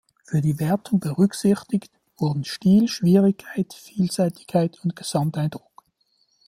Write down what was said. Für die Wertung berücksichtigt wurden Stil, Schwierigkeit, Vielseitigkeit und Gesamteindruck.